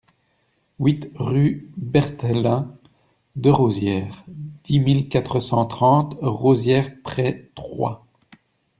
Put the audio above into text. huit rue Berthelin de Rosières, dix mille quatre cent trente Rosières-près-Troyes